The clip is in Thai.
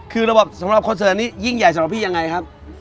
คือระบบสำหรับคอนเสิร์ตนี้ยิ่งใหญ่สำหรับพี่ยังไงครับ